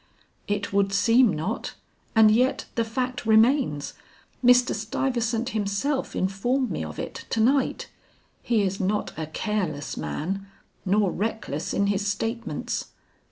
"It would seem not, and yet the fact remains. Mr. Stuyvesant himself informed me of it, to night. He is not a careless man, nor reckless in his statements.